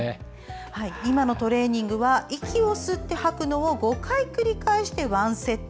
今のトレーニングは息を吸って吐くのを５回繰り返して１セット。